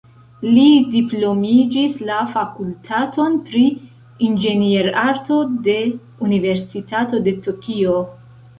Li diplomiĝis la fakultaton pri inĝenierarto de Universitato de Tokio.